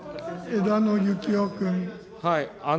枝野幸男君。